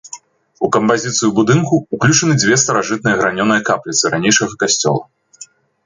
У кампазіцыю будынку ўключаны две старажытныя гранёныя капліцы ранейшага касцёла.